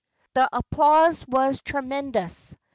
The applause was tremendous.